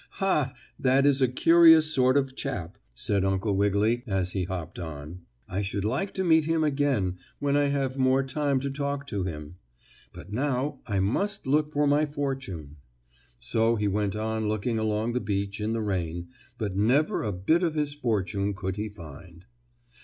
"Ha! That is a curious sort of chap," said Uncle Wiggily as he hopped on. "I should like to meet him again, when I have more time to talk to him. But now I must look for my fortune." So he went on looking along the beach in the rain, but never a bit of his fortune could he find.